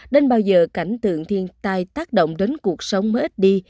nên bao giờ cảnh tượng thiên tai tác động đến cuộc sống mới ít đi